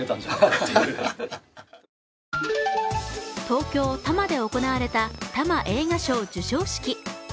東京・多摩で行われたＴＡＭＡ映画賞授賞式。